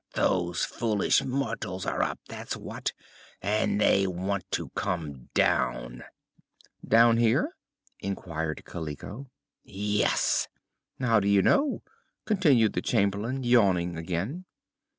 "Those foolish mortals are up, that's what! And they want to come down." "Down here?" inquired Kaliko. "Yes!" "How do you know?" continued the Chamberlain, yawning again.